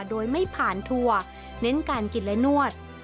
โดยไม่ผ่านทัวร์เน้นการกินและนวด